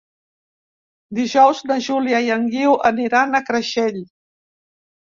Dijous na Júlia i en Guiu aniran a Creixell.